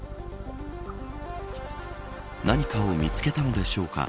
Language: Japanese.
何かを見つけたのでしょうか。